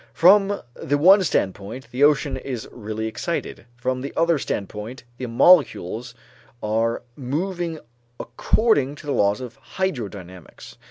From the one standpoint, the ocean is really excited; from the other standpoint, the molecules are moving according to the laws of hydrodynamics.